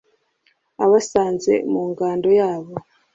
abasanze mu ngando yabo